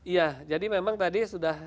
iya jadi memang tadi sudah